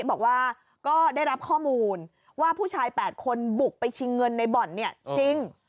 บอกว่าก็ได้รับข้อมูลว่าผู้ชาย๘คนบุกไปชิงเงินในบ่อนเนี่ยจริง